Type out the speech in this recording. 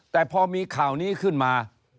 แต่พอมีข่าวนี้ขึ้นมา